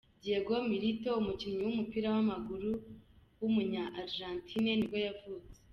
Diego Milito, umukinnyi w’umupira w’amaguru w’umunya-Argentine nibwo yavutse.